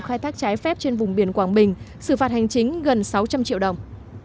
khai thác trái phép trên vùng biển quảng bình xử phạt hành chính gần sáu trăm linh triệu đồng